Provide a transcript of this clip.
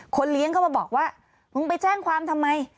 คนเลี้ยงเขามาบอกว่าหนูไปแจ้งความทำไม